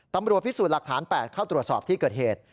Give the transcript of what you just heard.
ตำรวจพิสูจน์หลักฐาน๘เข้าตรวจสอบที่เกิดเหตุ